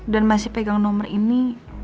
dan masih pegang nomor ini